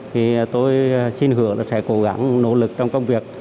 thì tôi xin hưởng sẽ cố gắng nỗ lực trong công việc